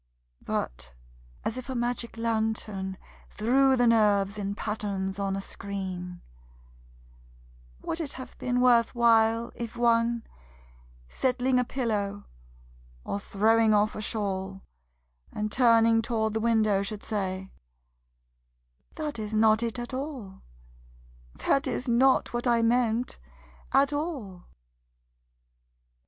But as if a magic lantern threw the nerves in patterns on a screen: Would it have been worth while If one, settling a pillow or throwing off a shawl, And turning toward the window, should say: "That is not it at all, That is not what I meant, at all."